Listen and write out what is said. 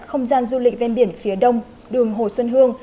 không gian du lịch ven biển phía đông đường hồ xuân hương